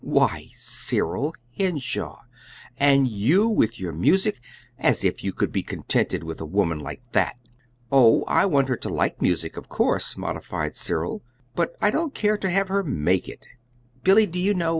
"Why, Cyril Henshaw! and you, with your music! As if you could be contented with a woman like that!" "Oh, I want her to like music, of course," modified Cyril; "but I don't care to have her MAKE it. Billy, do you know?